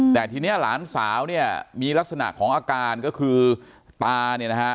แต่ทีนี้หลานสาวเนี่ยมีลักษณะของอาการก็คือตาเนี่ยนะฮะ